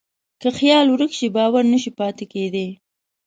که خیال ورک شي، باور نهشي پاتې کېدی.